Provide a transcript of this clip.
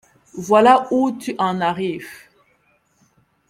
Voilà où tu en arrives !